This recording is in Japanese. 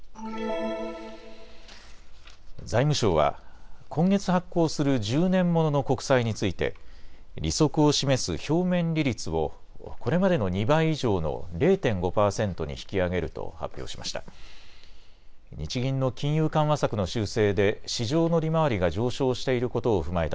財務省は今月発行する１０年ものの国債について利息を示す表面利率をこれまでの２倍以上の０．５％に引き上げると発表しました。